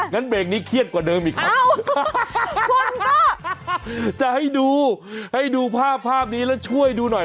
งั้นเบรกนี้เครียดกว่าเดิมอีกแล้วคนก็จะให้ดูให้ดูภาพภาพนี้แล้วช่วยดูหน่อย